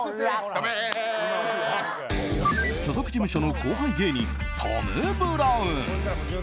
所属事務所の後輩芸人トム・ブラウン。